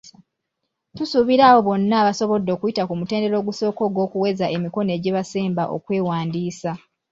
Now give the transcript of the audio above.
Tusuubira abo bonna abasobodde okuyita ku mutendera ogusooka ogw'okuweza emikono egibasemba okwewandiisa.